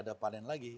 tidak ada panen lagi